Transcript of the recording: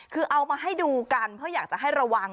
คือเอามาให้ดูกันเพื่ออยากจะให้ระวัง